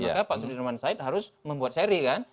maka pak sudirman said harus membuat seri kan